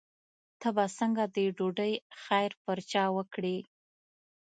ته به څنګه د ډوډۍ خیر پر چا وکړې.